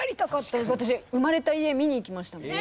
私生まれた家見に行きましたもん。